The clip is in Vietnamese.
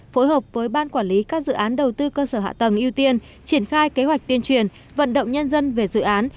phối hợp với ban quản lý các dự án đầu tư cơ sở hạ tầng ưu tiên triển khai kế hoạch tuyên truyền vận động nhân dân về dự án